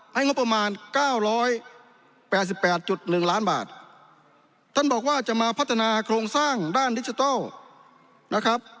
ให้งบประมาณ๙๘๘๑ล้านบาทท่านบอกว่าจะมาพัฒนาโครงสร้างด้านดิจิทัลนะครับ